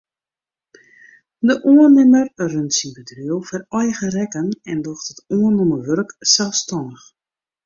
De oannimmer runt syn bedriuw foar eigen rekken en docht it oannommen wurk selsstannich.